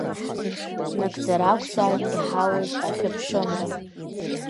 Нагӡара ақәзааит иҳауз Ахьыԥшымра!